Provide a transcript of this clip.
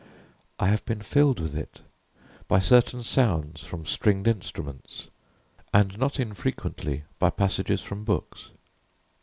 I have been filled with it by certain sounds from stringed instruments, and not unfrequently by passages from books.